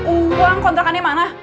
uang kontrakannya mana